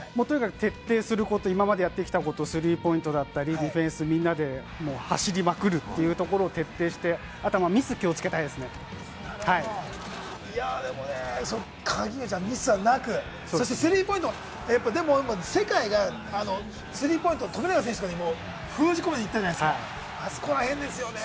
徹底すること、今までやってきたこと、スリーポイントやオフェンス、みんなで走りまくるというところを徹底して、あとミスを気をつけたいですミスなく、そしてスリーポイント、でも世界がスリーポイントを富永選手を封じ込めに行ったじゃないですか、あそこら辺ですよね。